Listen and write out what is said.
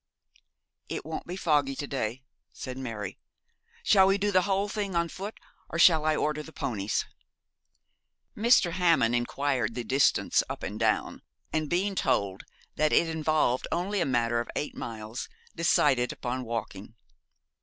'It won't be foggy to day,' said Mary. 'Shall we do the whole thing on foot, or shall I order the ponies?' Mr. Hammond inquired the distance up and down, and being told that it involved only a matter of eight miles, decided upon walking.